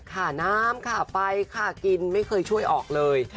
ค่าน้ำค่าไฟค่ากินไม่เคยช่วยออกเลย